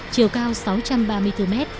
chiều cao sáu trăm ba mươi bốn m